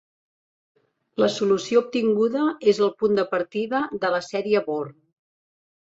La solució obtinguda és el punt de partida de la sèrie Born.